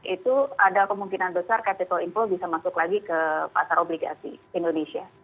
itu ada kemungkinan besar capital inflow bisa masuk lagi ke pasar obligasi indonesia